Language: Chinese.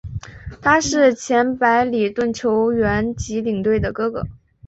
他是前白礼顿球员及领队的哥哥。